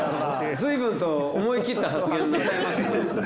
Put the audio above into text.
ずいぶんと思い切った発言だね。